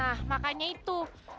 nah makanya itu